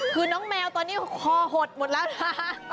คือน้องแมวตอนนี้คอหดหมดแล้วนะคะ